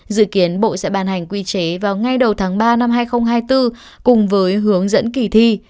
dự kiến bộ sẽ bàn hành quy chế vào ngay đầu tháng ba năm hai nghìn hai mươi bốn cùng với hướng dẫn kỳ thi